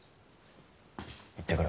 行ってくる。